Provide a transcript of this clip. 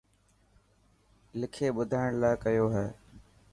لکي ٻڌائڻ لاءِ ڪيو هي.